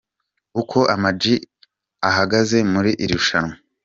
Uko Ama G ahagaze mu irushanwa.